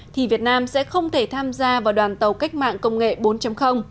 thì việt nam sẽ không thể tham gia vào đoàn tàu cách mạng công nghệ bốn